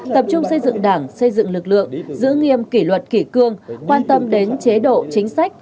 tập trung xây dựng đảng xây dựng lực lượng giữ nghiêm kỷ luật kỷ cương quan tâm đến chế độ chính sách